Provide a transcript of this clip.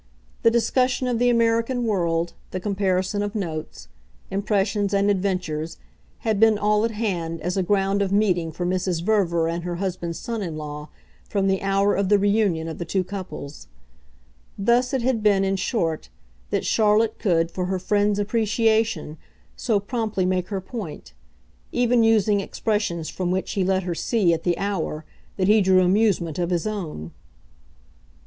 The discussion of the American world, the comparison of notes, impressions and adventures, had been all at hand, as a ground of meeting for Mrs. Verver and her husband's son in law, from the hour of the reunion of the two couples. Thus it had been, in short, that Charlotte could, for her friend's appreciation, so promptly make her point; even using expressions from which he let her see, at the hour, that he drew amusement of his own.